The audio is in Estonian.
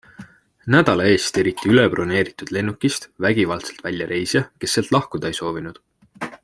Nädala eest tiriti ülebroneeritud lennukist vägivaldselt välja reisija, kes sealt lahkuda ei soovinud.